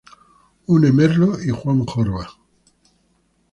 Une Merlo y Juan Jorba.